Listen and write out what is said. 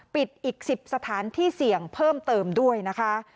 ปิดอีก๑๐สถานที่เสี่ยงเพิ่มเติมด้วยนะคะ